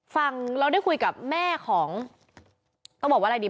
เราได้คุยกับแม่ของต้องบอกว่าอะไรดี